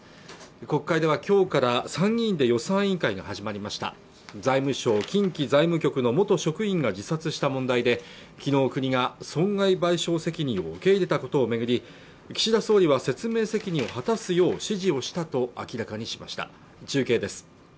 国会ではきょうから参議院で予算委員会が始まりました財務省近畿財務局の元職員が自殺した問題できのう国が損害賠償責任を受け入れたことを巡り岸田総理は説明責任を果たすよう指示をしたと明らかにしました中継です